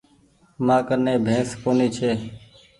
مآ ڪني بينس ڪونيٚ ڇي۔